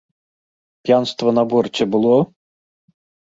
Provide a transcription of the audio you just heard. П'янства на борце было?